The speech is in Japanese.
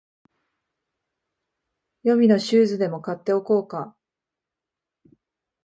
予備のシューズでも買っておこうか